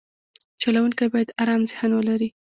چلوونکی باید ارام ذهن ولري.